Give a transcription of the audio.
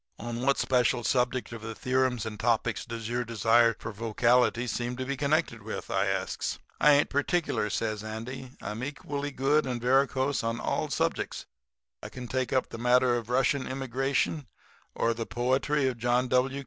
"'On what special subject of the theorems and topics does your desire for vocality seem to be connected with?' I asks. "'I ain't particular,' says Andy. 'I am equally good and varicose on all subjects. I can take up the matter of Russian immigration, or the poetry of John W.